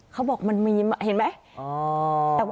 เขาบอกมันไม่มีต่อไปเห็นไหม